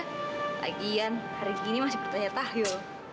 lagian hari gini masih pertanya tahayu